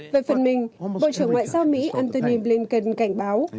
về phần mình bộ trưởng ngoại giao mỹ antony blinken cảnh báo